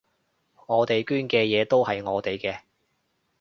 我哋捐嘅嘢都係我哋嘅